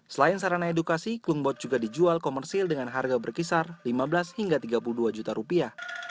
selain sarana edukasi klumbot juga dijual komersil dengan harga berkisar lima belas hingga tiga puluh dua juta rupiah